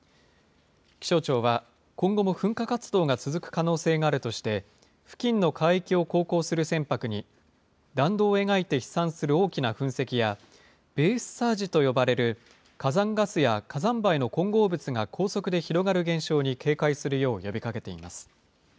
気象庁は、今後も噴火活動が続く可能性があるとして、付近の海域を航行する船舶に、弾道を描いて飛散する大きな噴石や、ベースサージと呼ばれる、火山ガスや火山灰の混合物が高速で広がる現象に警戒するよう呼びかけています。